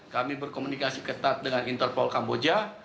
kami berkomunikasi ketat dengan interpol kamboja